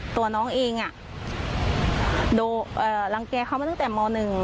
ตัวน้องเองโดนรังแก่เขามาตั้งแต่ม๑